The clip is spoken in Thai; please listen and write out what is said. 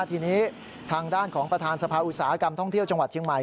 ทีนี้ทางด้านของประธานสภาอุตสาหกรรมท่องเที่ยวจังหวัดเชียงใหม่